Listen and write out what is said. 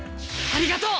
ありがとう！